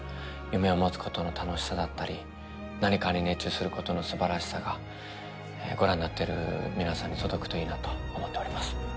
夢を持つことの楽しさだったり何かに熱中することの素晴らしさがご覧になってる皆さんに届くといいなと思っております